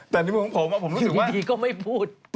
แต่ในมุมของผมผมรู้สึกว่าดีก็ไม่พูด